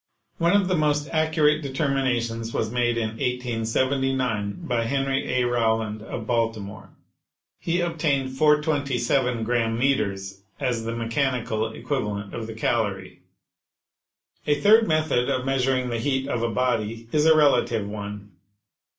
One of the most accurate determina tions was made in 1879 by Henry A. Rowland of Balti more. He obtained 427 gram meters as the mechanical equivalent of the calorie. A third method of measuring the heat of a body is a relative one.